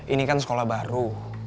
ini kan sekolah baru